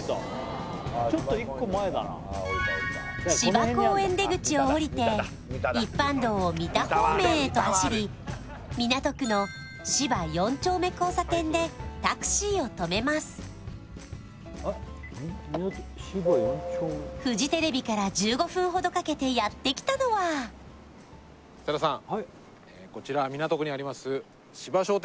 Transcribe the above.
芝公園出口を降りて一般道を三田方面へと走り港区の芝四丁目交差点でタクシーをとめますフジテレビから１５分ほどかけてやってきたのは設楽さん